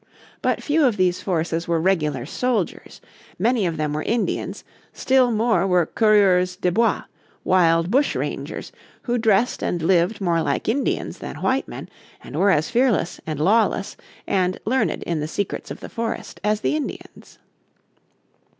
But few of these forces were regular soldiers. Many of them were Indians, still more were coureurs de bois, wild bush rangers who dressed and lived more like Indians than white men, and were as fearless, and lawless, and learned in the secrets of the forest as the Indians.